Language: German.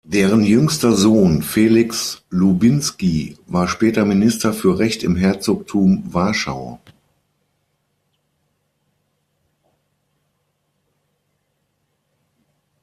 Deren jüngster Sohn Feliks Łubieński war später Minister für Recht im Herzogtum Warschau.